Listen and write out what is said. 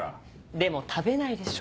でも食べないでしょ？